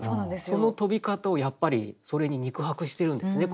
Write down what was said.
その飛び方をやっぱりそれに肉薄してるんですね。